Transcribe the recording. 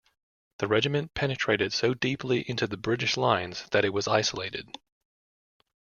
The regiment penetrated so deeply into the British lines that it was isolated.